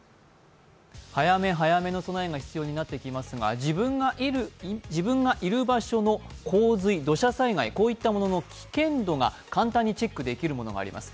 早め早めの備えが必要になってきますが自分がいる場所の洪水、土砂災害、こういったものの危険度が簡単にチェックできるものがあります。